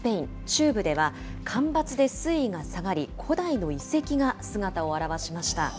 中部では、干ばつで水位が下がり、古代の遺跡が姿を現しました。